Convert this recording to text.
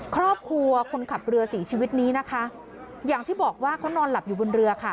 ครอบครัวคนขับเรือสีชีวิตนี้นะคะอย่างที่บอกว่าเขานอนหลับอยู่บนเรือค่ะ